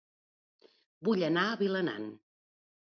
Vull anar a Vilanant